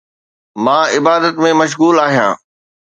مان عبادت ۾ مشغول آهيان